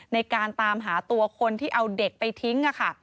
ในการตามหาตัวคนที่เอาเด็กไปทิ้งค่ะ